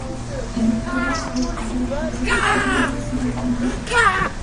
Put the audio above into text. El Doctor descubre pronto la ausencia de Cyril y le sigue con Lily.